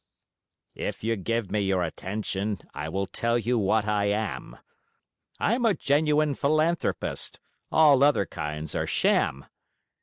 If you give me your attention, I will tell you what I am: I'm a genuine philanthropist all other kinds are sham.